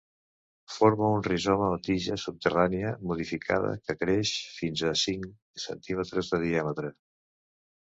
Forma un rizoma, o tija subterrània modificada, que creix fins a cinc centímetres de diàmetre.